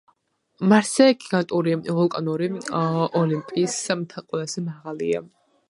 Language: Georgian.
მარსზე გიგანტური ვულკანური ოლიმპის მთა ყველაზე მაღალია.